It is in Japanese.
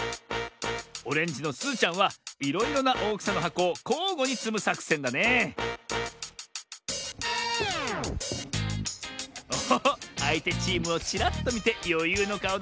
オレンジのすずちゃんはいろいろなおおきさのはこをこうごにつむさくせんだねおおっあいてチームをチラッとみてよゆうのかおだ。